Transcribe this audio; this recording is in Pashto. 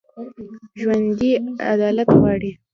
ژوندي عدالت غواړي